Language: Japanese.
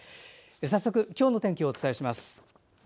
早速、今日の天気をお伝えします。